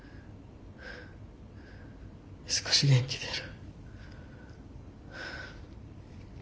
少し元気出る。